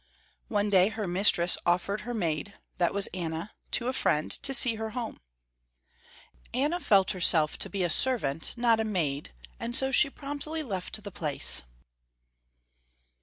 One day her mistress offered her maid that was Anna to a friend, to see her home. Anna felt herself to be a servant, not a maid, and so she promptly left the place.